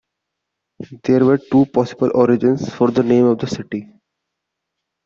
There are two possible origins for the name of the city.